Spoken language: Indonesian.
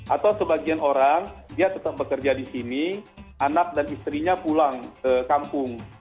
atau sebagian orang dia tetap bekerja di sini anak dan istrinya pulang ke kampung